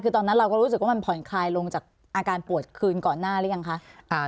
คือตอนนั้นเราก็รู้สึกว่ามันผ่อนคลายลงจากอาการปวดคืนก่อนหน้าหรือยังคะ